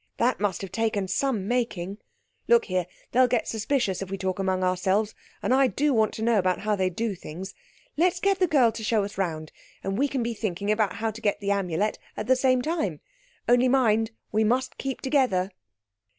That must have taken some making. Look here, they'll get suspicious if we talk among ourselves, and I do want to know about how they do things. Let's get the girl to show us round, and we can be thinking about how to get the Amulet at the same time. Only mind, we must keep together."